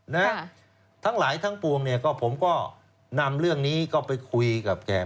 นะทั้งหลายทั้งปวงเนี่ยก็ผมก็นำเรื่องนี้ก็ไปคุยกับแก่